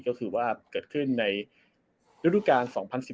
ก็คือว่าเกิดขึ้นในยุฒิการ๒๐๑๖๑๗